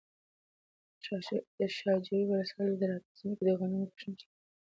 د شاجوی ولسوالۍ زراعتي ځمکې د غنمو د کښت لپاره خورا مناسبې دي.